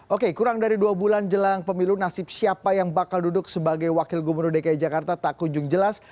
oke kurang dari dua bulan jelang pemilu nasib siapa yang bakal duduk sebagai wakil gubernur dki jakarta tak kunjung jelas